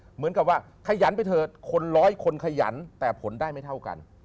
เหมือนกับว่าขยันไปเถอะคนร้อยคนขยันแต่ผลได้ไม่เท่ากัน